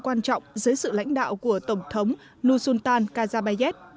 quan trọng dưới sự lãnh đạo của tổng thống nusultan nazarbayev